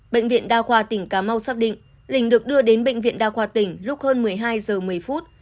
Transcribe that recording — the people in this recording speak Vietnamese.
bệnh viện đa khoa tỉnh cà mau xác định linh được đưa đến bệnh viện đa khoa tỉnh lúc hơn một mươi hai giờ một mươi phút